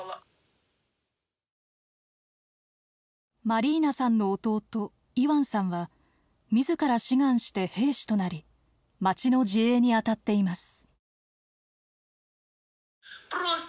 マリーナさんの弟イワンさんは自ら志願して兵士となり街の自衛に当たっています。